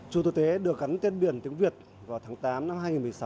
chùa tử tế được gắn tiên biển tiếng việt vào tháng tám năm hai nghìn một mươi sáu